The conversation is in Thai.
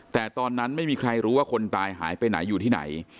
แต่ตอนนั้นไม่มีใครรู้ว่าคนตายหายไปไหนอยู่ที่ไหน